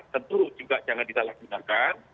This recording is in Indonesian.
tentu juga jangan disalahgunakan